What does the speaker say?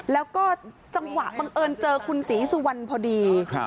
แล้วก็จังหวะบังเอิญเจอคุณศรีสุวรรณพอดี